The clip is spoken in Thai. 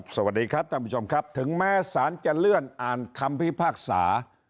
สวัสดีครับท่านผู้ชมครับถึงแม้สารจะเลื่อนอ่านคำพิพากษา